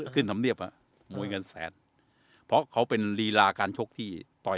ขึ้นถึงเหตุภาคมวยเงินแสนเพราะเขาเป็นรีลาการชกที่ต่อ